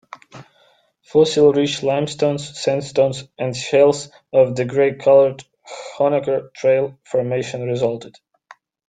Fossil-rich limestones, sandstones, and shales of the gray-colored Honaker Trail Formation resulted.